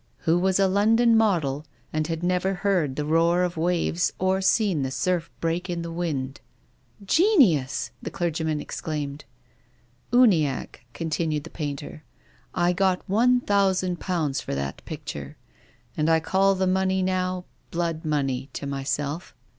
" Who was a London model, and had never heard the roar of waves or seen the surf break in the wind." " Genius !" the clergyman exclaimed. " Uniacke," continued the painter, "I got;^i,ooo for that picture. And I call the money now blood money to myself."